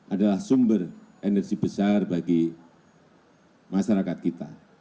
adalah sumber energi besar bagi masyarakat kita